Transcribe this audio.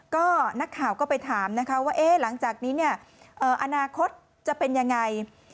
ก็นักข่าวก็ไปถามนะคะว่าหลังจากนี้เนี่ยอนาคตจะเป็นยังไง